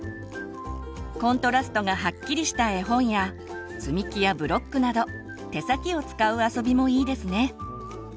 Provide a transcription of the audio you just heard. コントラストがはっきりした絵本や積み木やブロックなど手先を使う遊びもいいですね。